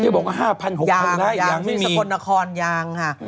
๕๖๐๐บาทอีกยังไม่มียังยังมีสกลนครยังค่ะ